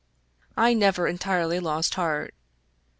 I never entirely lost heart.